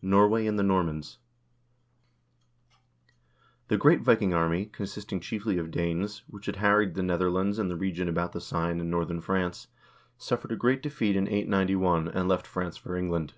Normandy and the Normans The great Viking army, consisting chiefly of Danes, which had harried the Netherlands and the region about the Seine in northern France, suffered a great defeat in 891, and left France for England.